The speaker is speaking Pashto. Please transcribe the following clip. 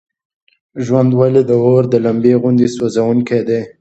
ژوند ولې د اور د لمبې غوندې سوزونکی دی؟